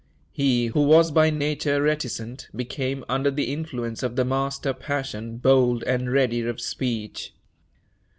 He, who was by nature reticent, became, under the influence of the master passion, bold and ready of speech.